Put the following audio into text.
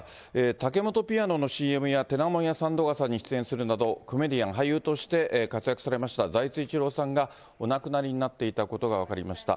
タケモトピアノのＣＭや、てなもんやさんどがさに出演するなど、コメディアン、俳優として活躍された財津一郎さんがお亡くなりになっていたことが分かりました。